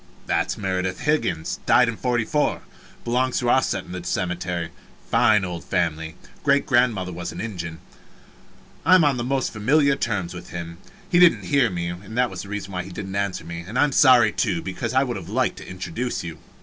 That's Meredith Higgins died in '44 belongs to our set in the cemetery fine old family great grand mother was an Injun I am on the most familiar terms with him he didn't hear me was the reason he didn't answer me. And I am sorry, too, because I would have liked to introduce you.